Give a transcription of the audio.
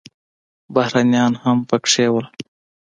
بهرنیان هم پکې وو.